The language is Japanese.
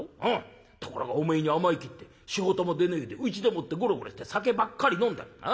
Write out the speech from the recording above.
ところがお前に甘えきって仕事も出ねえでうちでもってゴロゴロして酒ばっかり飲んでる。